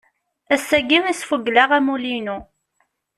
Ass-agi i sfugleɣ amulli-inu.